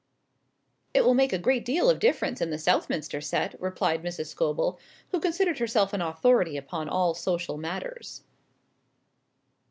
"It will make a great deal of difference in the Southminster set," replied Mrs. Scobel, who considered herself an authority upon all social matters.